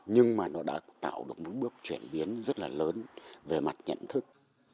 nhưng mà nó đã tạo được một bước chuyển biến rất là lớn về mặt nhận thức